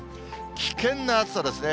危険な暑さですね。